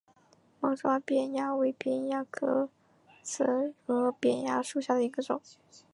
猫爪扁蚜为扁蚜科刺额扁蚜属下的一个种。